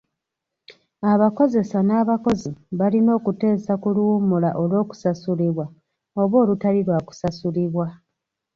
Abakozesa n'abakozi balina okuteesa ku luwummula olw'okusasulibwa oba olutali lwa kusasulibwa.